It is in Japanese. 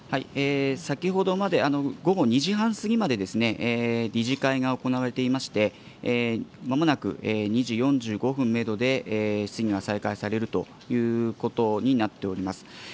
先ほどまで、午後２時半過ぎまで、理事会が行われていまして、まもなく、２時４５分メドで、質疑が再開されるということになっております。